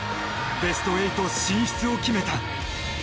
ベスト８進出を決めた。